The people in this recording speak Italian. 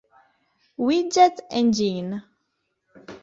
Widget Engine.